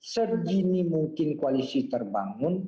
segini mungkin koalisi terbangun